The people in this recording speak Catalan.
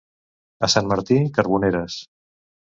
A Sant Martí, carboneres.